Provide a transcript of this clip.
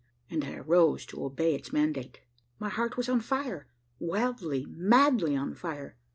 and I arose to obey its mandate. My heart was on fire wildly, madly on fire.